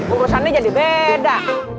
urusannya jadi beda